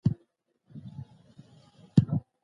خوشحالي د انسان په فکر پوري اړه لري.